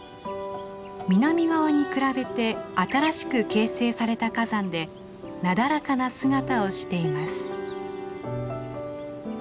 南側に比べて新しく形成された火山でなだらかな姿をしています。